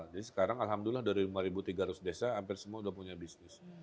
jadi sekarang alhamdulillah dari lima tiga ratus desa hampir semua udah punya bisnis